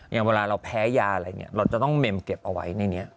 อย่างเวลาเราแพ้ยาอะไรอย่างนี้เราจะต้องเมมเก็บเอาไว้ในนี้